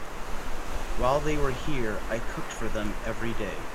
While they were here, I cooked for them everyday.